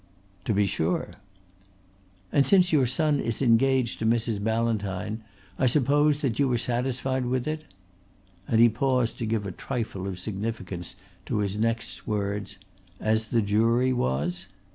"To be sure." "And since your son is engaged to Mrs. Ballantyne, I suppose that you were satisfied with it" and he paused to give a trifle of significance to his next words "as the jury was."